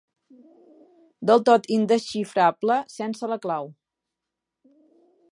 Del tot indesxifrable sense la clau.